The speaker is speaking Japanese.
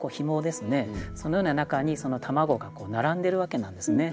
そのような中に卵が並んでるわけなんですね。